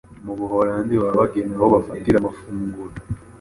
Mu Buholandi baba bagenewe aho bafatira amafunguro